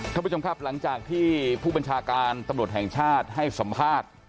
ท่านผู้ชมครับหลังจากที่ผู้บัญชาการตำรวจแห่งชาติให้สัมภาษณ์